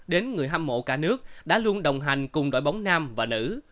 đến người hâm mộ cả nước đã luôn đồng hành cùng đội bóng nam và nữ